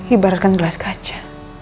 ibaratkan gelas kaca